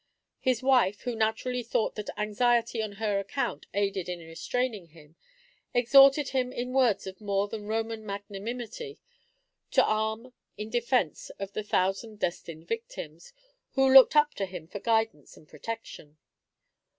His wife, who naturally thought that anxiety on her account aided in restraining him, exhorted him in words of more than Roman magnanimity to arm in defence of the thousand destined victims, who looked up to him for guidance and protection.